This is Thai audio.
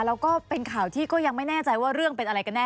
แล้วก็เป็นข่าวที่ก็ยังไม่แน่ใจว่าเรื่องเป็นอะไรกันแน